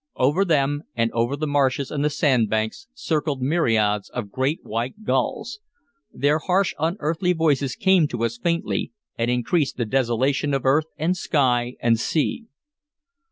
Over them and over the marshes and the sand banks circled myriads of great white gulls. Their harsh, unearthly voices came to us faintly, and increased the desolation of earth and sky and sea.